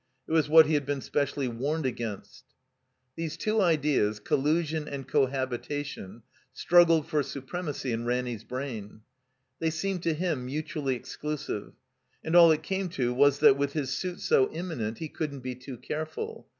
It was what he had been specially warned against. These two ideas, collusion and cohabitation, strug gled for supremacy in Ranny's brain. They seemed to him mutually exclusive; and all it came to was that, with his suit so imminent, he couldn't be too careful.